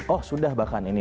oh sudah bahkan ini